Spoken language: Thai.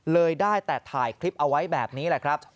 เลยได้แต่ถ่ายคลิปเอาไว้แบบนี้แหละครับ